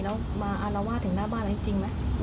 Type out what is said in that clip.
แล้วมาอารวาสถึงหน้าบ้านแล้วจริงไหม